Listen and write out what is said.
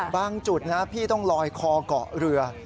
จุดนะพี่ต้องลอยคอเกาะเรือ